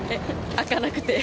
開かなくて。